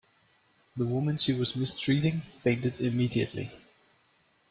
The woman she was mistreating fainted immediately.